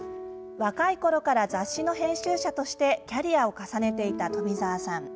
若いころから雑誌の編集者としてキャリアを重ねていた富澤さん。